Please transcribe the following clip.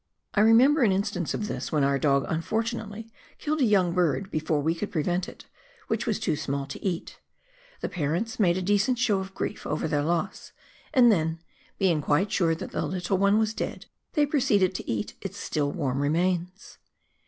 I remember an instance of this when our dog unfortunately killed a young bird before we could prevent it, which was too small to eat. The parents made a decent show of grief over their loss, and then, being quite sure that the little one was dead, they proceeded to eat its still warm re mains